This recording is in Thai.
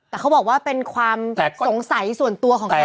แต่เขาบอกว่าเป็นความสงสัยส่วนตัวของเขา